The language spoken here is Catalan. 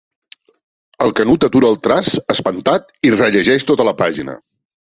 El Canut atura el traç, espantat, i rellegeix tota la pàgina.